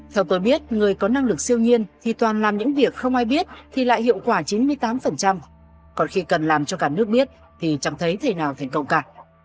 theo tôi biết người có năng lực siêu nhiên thì toàn làm những việc không ai biết thì lại hiệu quả chín mươi tám còn khi cần làm cho cả nước biết thì chẳng thấy thế nào thành công cả